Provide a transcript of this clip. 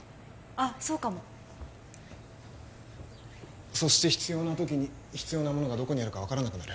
あっそうかもそして必要な時に必要なものがどこにあるか分からなくなる